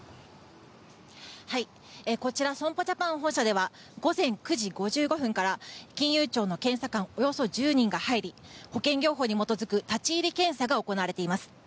こちら損保ジャパン本社では午前９時５５分から金融庁の検査官およそ１０人が入り保険業法に基づく立ち入り検査が始められています。